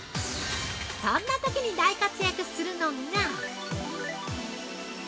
そんなときに大活躍するのが。